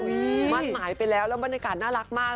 มั่นหมายไปแล้วแล้วบรรยากาศน่ารักมาก